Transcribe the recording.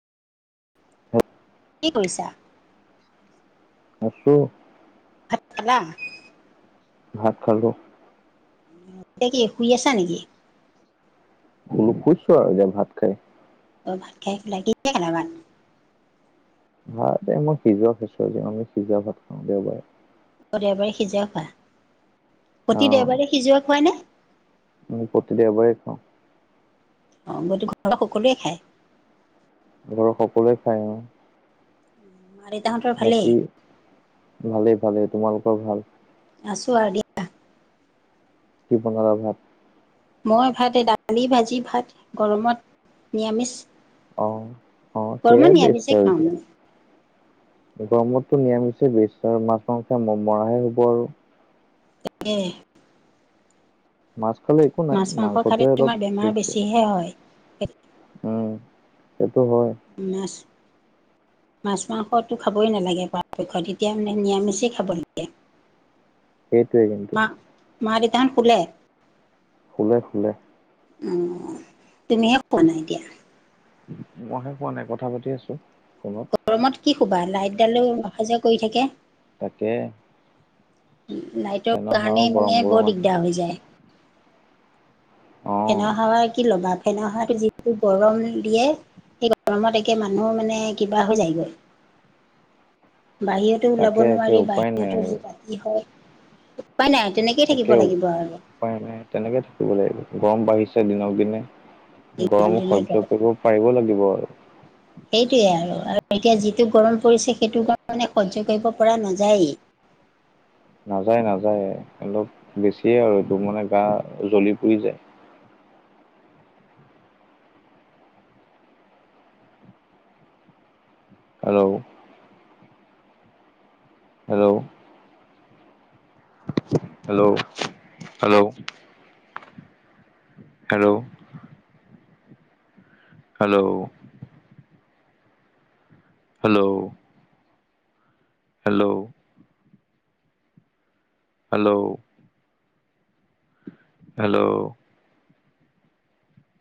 হয়। কি কৰিছা? আছোঁ। ভাত খালা? ভাত খালো। এতিয়া কি শুই আছা নেকি? শু শুইছো আৰু এতিয়া ভাত খাই। অ ভাত খাই শুলা, কেতিয়া খালা ভাত? ভাত এই মই সিজোৱা খেজোৱা দিওঁ আমি সিজোৱা ভাত খাওঁ দেওবাৰে। অ দেওবাৰে সিজোৱা খোৱা। প্ৰতি দেওবাৰে সিজোৱা খোৱা নে? উম প্ৰতি দেওবাৰে খাওঁ। অ গোটেই ঘৰৰ সকলোৱে খায়? ঘৰৰ সকলোৱে খাই অ। মা দেউতাহঁতৰ ভালেই? বাকী ভালেই ভালেই, তোমালোকৰ ভাল? আছোঁ আৰু দিয়া। কি বনালা ভাত। মই ভাত দালি ভাজি ভাত গৰমত নিৰামিষ। অ অ গৰমত সেইয়াই বেছ নিৰামিষে আৰু খাওঁ এতিয়া। মই। গৰমতটো নিৰামিষ বেছ আৰু মাছ মাংসে মৰাহে হ'ব আৰু তাকে। মাছ খালে একো নাই মাংসটোহে অলপ দে। সে হয়। উম সেইটো হয়। মাছ। মাছ, মাংসতো খাবই নালাগে পৰাপক্ষত তেতিয়া মানে নিৰামিষেই খাব লাগে। সেইটোৱে কিন্তু, মাক-দেউতাহত শুলে। শুলে শুলে। উমম তুমিহে পোৱা নাই এতিয়া। মইহে কোৱা নাই কথা পাতি আছো ফোনত। গৰমত কি শুবা লাইটডালেও অহা যোৱা কৰি থাকে। তাকে। নাইটোৰ ফেনৰ হাৱা কাৰণে গৰম মানে গৰম বৰ আহে দিগদাৰ হৈ যায়। অ ফেন হাৱা কি ল'বা ফেন হাৱাটো যিহটো গৰম দিয়ে। এই গৰমত একে মানুহ মানে কিবা হৈ যায়গৈ বাহিৰত। ওলাব তাকে একে নোৱাৰি উপায় নাই বাহিৰতো আৰু যি ৰাতি হয় উপাই নাই তেনেকে। একে উপায় নে তেনেকে থাকিব লাগিব গৰম বাঢ়িছে দিনক দিনে। দিনক গৰম দিনে গৈ সজ্য কৰিব পাৰিব লাগিব আৰু সেইটোৱেই আৰু আৰু এতিয়া যিটো গৰম পৰিছে সেইটো কাৰণে সহ্য কৰিব পৰা নাযায়েই। নাযায় নাযায় অলপ বেছিয়ে আৰু এইটো মানে গা জ্বলি পুৰি যায়। Hello, hello. Hello hello. Hello. Hello. Hello. Hello, hello, hello,